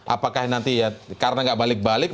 apakah nanti karena gak balik balik